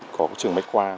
có trường máy khoa